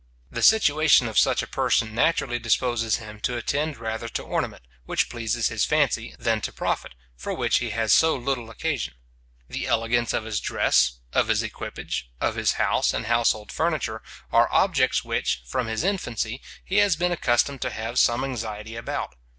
The situation of such a person naturally disposes him to attend rather to ornament, which pleases his fancy, than to profit, for which he has so little occasion. The elegance of his dress, of his equipage, of his house and household furniture, are objects which, from his infancy, he has been accustomed to have some anxiety about.